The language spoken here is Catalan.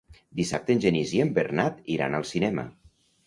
Dissabte en Genís i en Bernat iran al cinema.